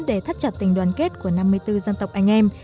để thắt chặt tình đoàn kết của năm mươi bốn dân tộc anh em